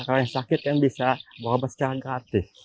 kalau yang sakit kan bisa bawa secara gratis